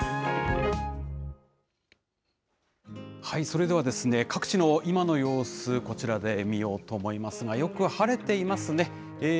それでは、各地の今の様子、こちらで見ようと思いますが、よく晴れていますね。